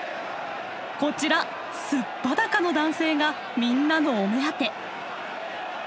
こちら素っ裸の男性がみんなのお目当て！